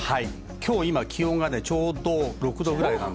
今日は気温がちょうど６度くらい。